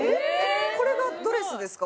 これがドレスですか？